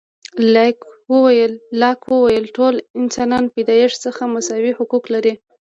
لاک وویل، ټول انسانان د پیدایښت څخه مساوي حقوق لري.